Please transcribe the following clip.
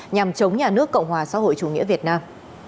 nhằm chống nhà nước cộng hòa xã hội chủ nghĩa việt nam